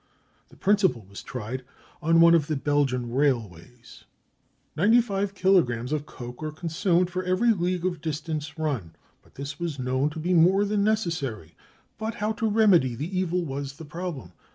The principle was tried on one of the Belgian railways. "Ninety five kilogrammes of coke were consumed for every league of distance run, but this was known to be more than necessary; but how to remedy the evil was the problem.